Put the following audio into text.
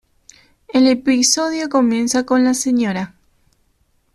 El episodio comienza con la Sra.